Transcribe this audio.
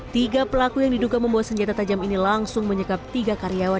tiga pelaku yang diduga membawa senjata tajam ini langsung menyekap tiga karyawan